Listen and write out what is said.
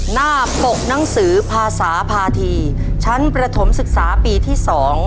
หน้าปกหนังสือภาษาภาษีชั้นประถมศึกษาปีที่๒